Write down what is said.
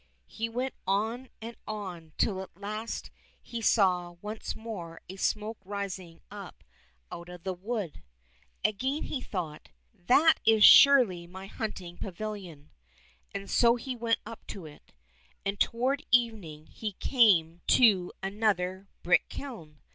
He went on and on till at last he saw once more a smoke rising up out of the wood. Again he thought, " That is surely my hunting pavilion," and so he went up to it. And toward evening he came to another brick kiln.